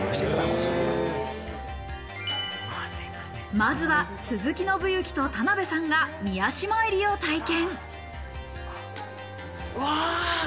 まずは鈴木伸之と田辺さんが御足参りを体験。